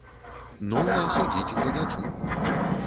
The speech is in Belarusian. Ну, а судзіць гледачу.